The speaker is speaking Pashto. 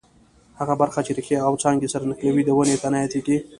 هغه برخه چې ریښې او څانګې سره نښلوي د ونې تنه یادیږي.